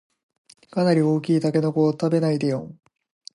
かなり大きいタケノコを食べないでよん